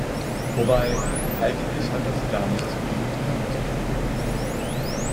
Wobei, eigentlich hat das gar nicht so viel mit Glück zu tun.